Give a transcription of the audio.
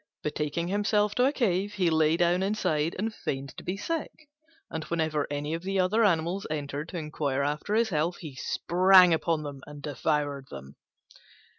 Betaking himself to a cave, he lay down inside and feigned to be sick: and whenever any of the other animals entered to inquire after his health, he sprang upon them and devoured them.